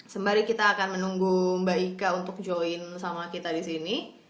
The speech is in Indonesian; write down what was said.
sembari kita akan menunggu mba ika untuk join sama kita disini